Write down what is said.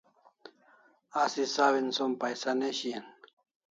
Asi sawin som paisa ne shian